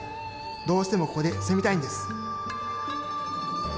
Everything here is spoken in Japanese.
どうしてもここで住みたいんです。